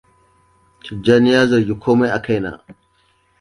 Tijjania ya zargi komai a kaina.